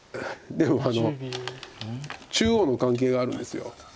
でも中央の関係があるんです。